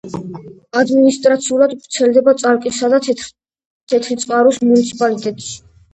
ადმინისტრაციულად ვრცელდება წალკისა და თეთრიწყაროს მუნიციპალიტეტებში.